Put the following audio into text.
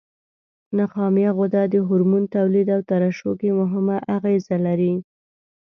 نخامیه غده د هورمون تولید او ترشح کې مهمه اغیزه لري.